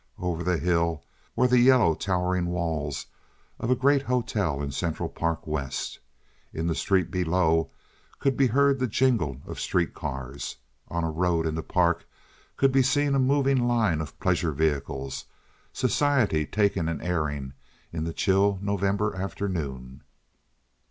Over the hill were the yellow towering walls of a great hotel in Central Park West. In the street below could be heard the jingle of street cars. On a road in the park could be seen a moving line of pleasure vehicles—society taking an airing in the chill November afternoon.